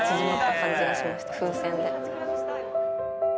風船で。